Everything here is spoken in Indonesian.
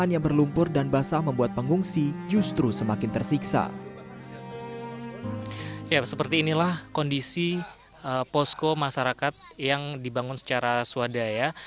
ya seperti inilah kondisi posko masyarakat yang dibangun secara swadaya